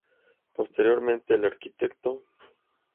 Posteriormente, el Arq.